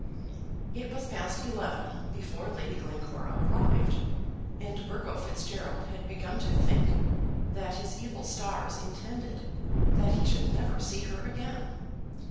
It was past eleven before Lady Glencora arrived, and Burgo Fitzgerald had begun to think that his evil stars intended that he should never see her again.